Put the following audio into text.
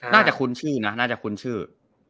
คุ้นชื่อนะน่าจะคุ้นชื่อ